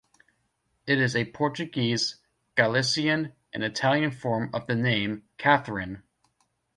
It is a Portuguese, Galician and Italian form of the name Katherine.